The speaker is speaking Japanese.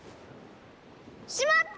しまった！